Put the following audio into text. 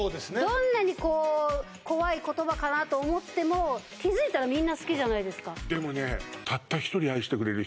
どんなにこう怖い言葉かなと思っても気づいたらみんな好きじゃないですかでもねえっ？